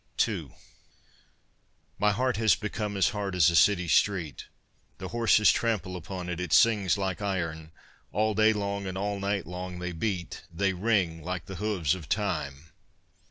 II My heart has become as hard as a city street, The horses trample upon it, it sings like iron, All day long and all night long they beat, They ring like the hooves of time.